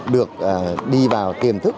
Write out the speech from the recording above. được đi vào kiềm thức